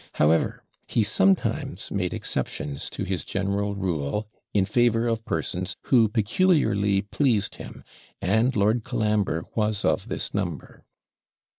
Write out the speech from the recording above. However, he sometimes made exceptions to his general rule in favour of persons who peculiarly pleased him, and Lord Colambre was of this number.